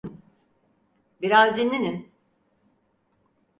Biraz dinlenin.